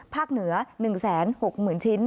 ภาคเหนือหนึ่งแสนหกหมื่นชิ้น